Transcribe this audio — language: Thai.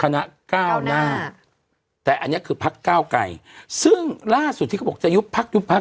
คณะก้าวหน้าแต่อันนี้คือพักเก้าไกรซึ่งล่าสุดที่เขาบอกจะยุบพักยุบพัก